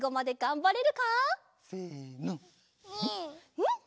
うん！